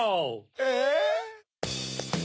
え！